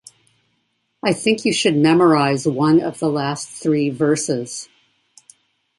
I think you should memorize one of the last three verses.